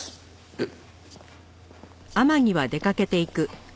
えっ。